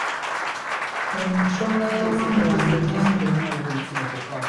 Eno nsonga ya mwami wange nange.